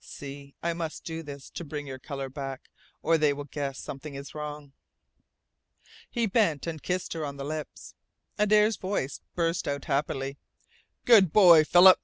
See I must do this to bring your colour back, or they will guess something is wrong!" He bent and kissed her on the lips. Adare's voice burst out happily: "Good boy, Philip!